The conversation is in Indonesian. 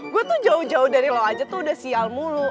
gue tuh jauh jauh dari lo aja tuh udah sial mulu